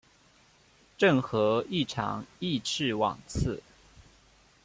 郑和亦尝裔敕往赐。